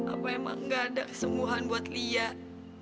apa emang nggak ada kesembuhan buat liat